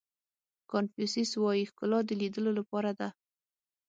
کانفیو سیس وایي ښکلا د لیدلو لپاره ده.